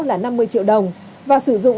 là năm mươi triệu đồng và sử dụng